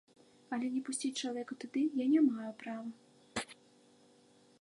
Але не пусціць чалавека туды я не маю права.